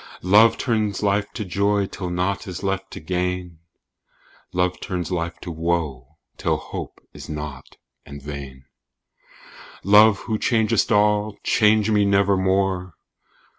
Love turns life to joy till nought is left to gain: "Love turns life to woe till hope is nought and vain." Love, who changest all, change me nevermore!